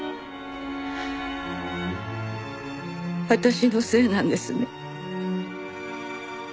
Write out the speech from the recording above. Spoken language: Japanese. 私のせいなんですね。